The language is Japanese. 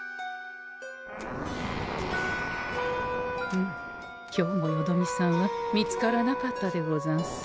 ふう今日もよどみさんは見つからなかったでござんす。